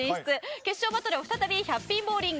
決勝バトルは再び１００ピンボウリング。